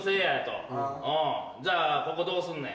じゃあここどうすんねん？